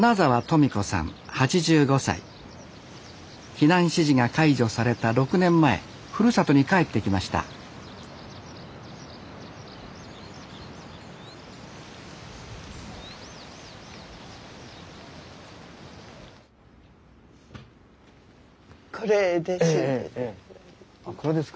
避難指示が解除された６年前ふるさとに帰ってきましたこれです。